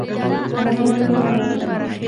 قلم د فکر څراغ دی